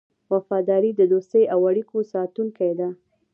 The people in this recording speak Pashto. وفاداري د دوستۍ او اړیکو ساتونکی دی.